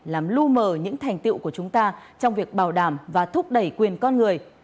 làm lưu mờ những thành tiệu của chúng ta trong việc bảo đảm và thúc đẩy quyền con người